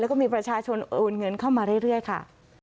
แล้วก็มีประชาชนโอนเงินเข้ามาเรื่อยค่ะ